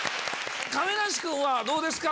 亀梨君はどうですか？